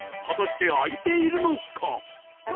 果たして開いているのか？